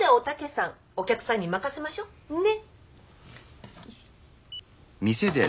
お客さんに任せましょ。ね？